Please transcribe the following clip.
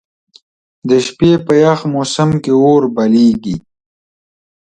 د شپې په یخ موسم کې اور بليږي.